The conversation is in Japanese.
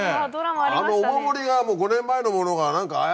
あのお守りがもう５年前のものが何かああ